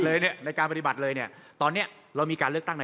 เดี๋ยวประเด็นนี้จะสับสุนกัน